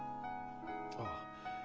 ああ。